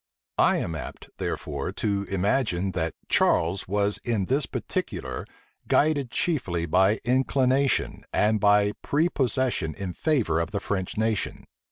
I am apt, therefore, to imagine, that Charles was in this particular guided chiefly by inclination, and by a prepossession in favor of the French nation.